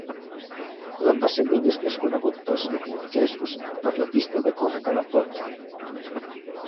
L'embassament és més conegut pels novaiorquesos per la pista de córrer que l'envolta.